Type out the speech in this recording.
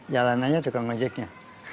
jalanannya tukang ngojeknya